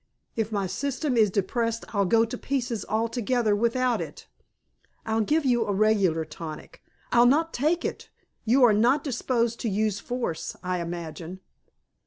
If my system is depressed I'd go to pieces altogether without it." "I'll give you a regular tonic " "I'll not take it. You are not disposed to use force, I imagine."